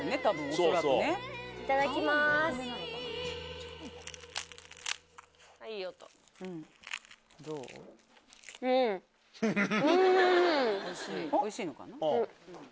おいしいのかな？